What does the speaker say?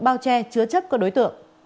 bao che chứa chấp các đối tượng